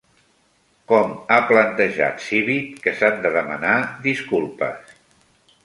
Com ha plantejat Civit que s'han de demanar disculpes?